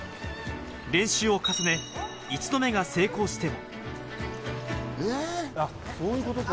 練習を重ね、１度目が成功しても。